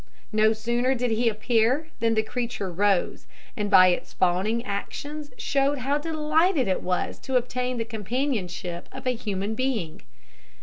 No sooner did he appear than the creature rose, and by its fawning actions showed how delighted it was to obtain the companionship of a human being.